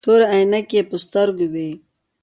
تورې عينکې يې په سترګو وې.